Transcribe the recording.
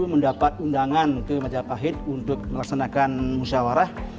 mendapat undangan untuk majapahit untuk melaksanakan musyawarah